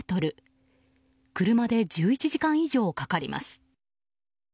車で１１時間以上かかります。